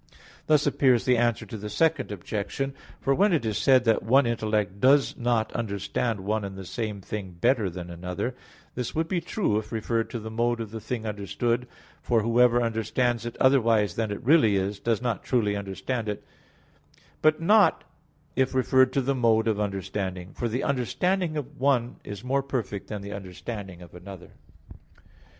Thus appears the answer to the Second Objection. For when it is said that one intellect does not understand one and the same thing better than another, this would be true if referred to the mode of the thing understood, for whoever understands it otherwise than it really is, does not truly understand it, but not if referred to the mode of understanding, for the understanding of one is more perfect than the understanding of another.